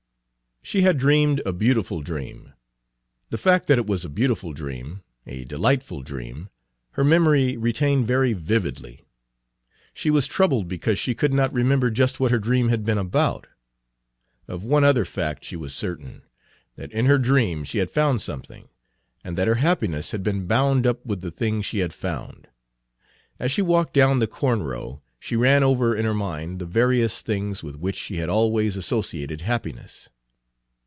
She had dreamed a beautiful dream. The fact that it was a beautiful dream, a delightful dream, her memory retained very vividly. She was troubled because she could not remember just what her dream had been about. Of one other fact she was certain, that in her dream she had found something, and that her happiness had been bound up with the thing she had found. As she walked down the corn row she ran over in her mind the various things with which she had always associated happiness.